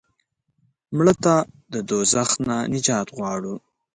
مړه ته د دوزخ نه نجات غواړو